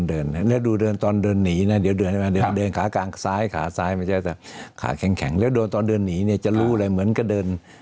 เดี๋ยวดูตอนเดินหนีเนี่ยเดี๋ยวเดินขาซ้ายขาแข็งแข็งแล้วตอนเดินหนีเนี่ยจะรู้เลยเหมือนก็เดิน